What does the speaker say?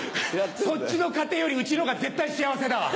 そっちの家庭よりうちのほうが絶対幸せだわ。